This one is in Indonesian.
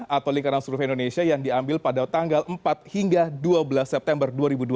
atau lingkaran survei indonesia yang diambil pada tanggal empat hingga dua belas september dua ribu dua puluh